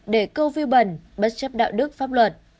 để câu vie bẩn bất chấp đạo đức pháp luật